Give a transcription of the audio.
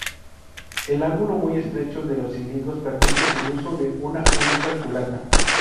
El ángulo muy estrecho de los cilindros permite el uso de una única culata.